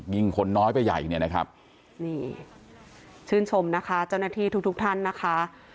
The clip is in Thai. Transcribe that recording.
ยิงคนน้อยไปใหญ่เนี่ยนะครับนี่ชื่นชมนะคะเจ้าหน้าที่ทุกทุกท่านนะคะ